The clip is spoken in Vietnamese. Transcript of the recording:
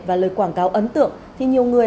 và lời quảng cáo ấn tượng thì nhiều người